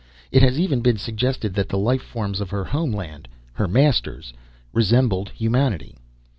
It has even been suggested that the life forms of her homeland her masters resembled humanity.